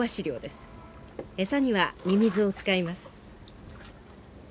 餌にはミミズを使います。